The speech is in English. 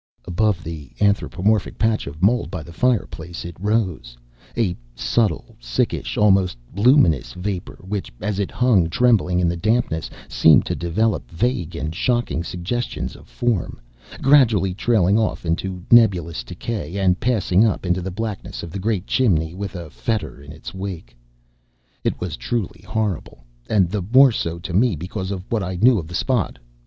Above the anthropomorphic patch of mold by the fireplace it rose; a subtle, sickish, almost luminous vapor which as it hung trembling in the dampness seemed to develop vague and shocking suggestions of form, gradually trailing off into nebulous decay and passing up into the blackness of the great chimney with a fetor in its wake. It was truly horrible, and the more so to me because of what I knew of the spot.